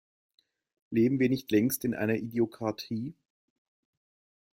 Leben wir nicht längst in einer Idiokratie?